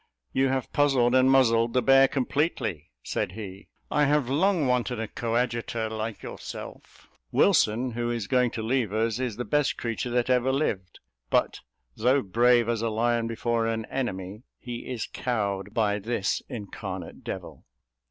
"You have puzzled and muzzled the bear completely," said he; "I have long wanted a coadjutor like yourself. Wilson, who is going to leave us, is the best creature that ever lived: but though brave as a lion before an enemy, he is cowed by this incarnate devil."